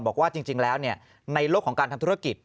บอกว่าจริงแล้วในโลกของการทำธุรกิจ